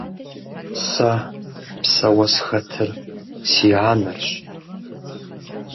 Сэ псэуэ схэтыр си анэрщ.